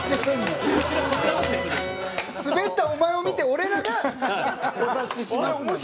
スベったお前を見て俺らが「お察しします」なのよ。